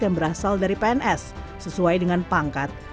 yang berasal dari pns sesuai dengan pangkat